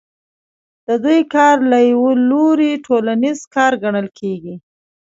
د دوی کار له یوه لوري ټولنیز کار ګڼل کېږي